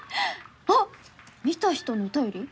あっ見た人のお便り？